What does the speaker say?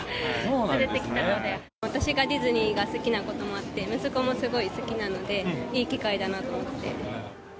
私がディズニーが好きなこともあって、息子もすごい好きなので、いい機会だなと思って。